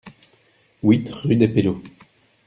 huit rue des Pelauds